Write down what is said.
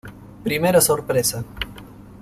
Primera sorpresa".